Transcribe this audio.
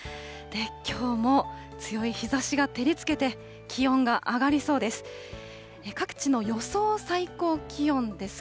きょうも強い日ざしが照りつけて、気温が上がりそうです。